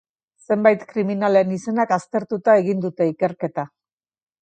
Zenbait kriminalen izenak aztertuta egin dute ikerketa.